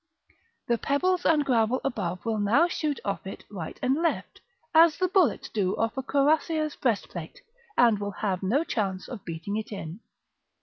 The pebbles and gravel above will now shoot off it right and left, as the bullets do off a cuirassier's breastplate, and will have no chance of beating it in.